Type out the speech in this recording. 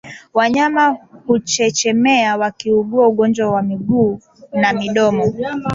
Wanyama huchechemea wakiugua ugonjwa wa miguu na midomo